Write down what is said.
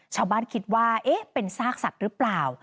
ชาวบ้านคิดว่าเอ๊ะเป็นซากสัตว์หรือเปล่า